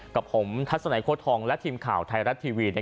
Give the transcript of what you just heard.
กับผมทัศนโครตธงกับทิมข่าวไทรัชทีวี